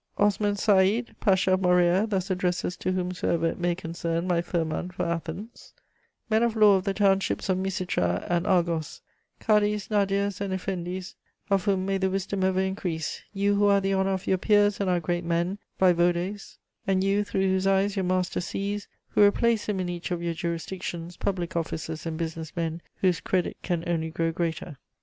Osman Seïd, Pasha of Morea, thus addresses to whomsoever it may concern my firman for Athens: "Men of law of the townships of Misitra and Argos, cadis, nadirs, and eflendis, of whom may the wisdom ever increase; you who are the honour of your peers and our great men, vaïvodes, and you through whose eyes your master sees, who replace him in each of your jurisdictions, public officers and business men, whose credit can only grow greater.